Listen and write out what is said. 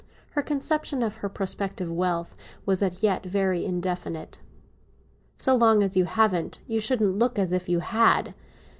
Her conception of her prospective wealth was as yet very indefinite. "So long as you haven't you shouldn't look as if you had.